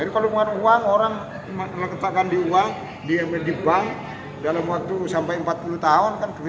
jadi kalau mengumpulkan uang orang mengumpulkan uang dia mendibang dalam waktu sampai empat puluh tahun kan begitu saja